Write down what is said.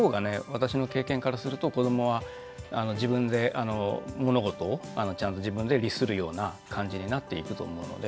私の経験からすると子どもは自分で物事をちゃんと自分で律するような感じになっていくと思うので。